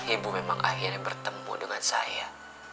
ibu memang akhirnya bertemu dengan saya